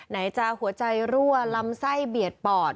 ไหนจะหัวใจรั่วลำไส้เบียดปอด